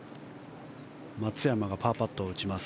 松山がパーパットを打ちます。